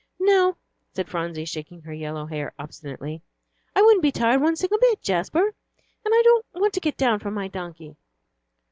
"No," said Phronsie, shaking her yellow hair obstinately, "I wouldn't be tired one single bit, Jasper. And I don't want to get down from my donkey."